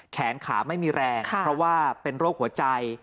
แขนขาไม่มีแรงเพราะว่าเป็นโรคหัวใจ